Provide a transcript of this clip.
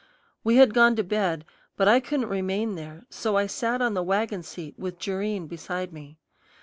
We had gone to bed, but I couldn't remain there; so I sat on the wagon seat with Jerrine beside me.